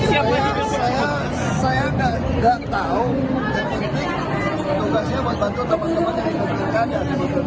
saya tidak tahu yang penting tugasnya untuk membantu teman teman yang ikut pilkada